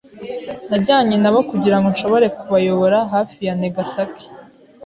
Najyanye nabo kugirango nshobore kubayobora hafi ya Nagasaki.